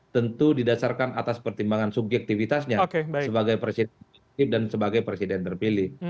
tentu didasarkan atas pertimbangan subjektivitasnya sebagai presiden dan sebagai presiden terpilih